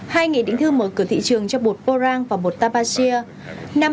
hai nghị định thư mở cửa thị trường cho bột borang và bột tapasia